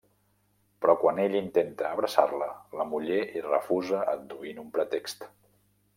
Però quan ell intenta abraçar-la, la muller hi refusa adduint un pretext.